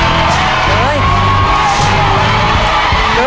เดย์ไปลูกเร็ว